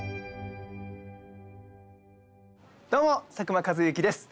どうも佐久間一行です。